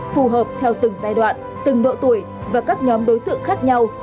phù hợp theo từng giai đoạn từng độ tuổi và các nhóm đối tượng khác nhau